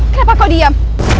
kenapa kau diam